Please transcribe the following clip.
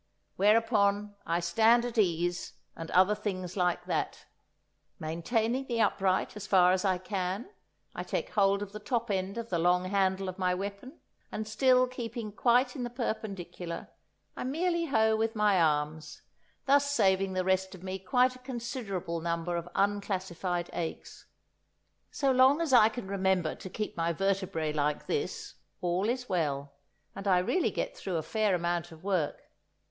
Whereupon I stand at ease, and other things like that. Maintaining the upright as far as I can, I take hold of the top end of the long handle of my weapon, and, still keeping quite in the perpendicular, I merely hoe with my arms, thus saving the rest of me quite a considerable number of unclassified aches. So long as I can remember to keep my vertebræ like this, all is well, and I really get through a fair amount of work.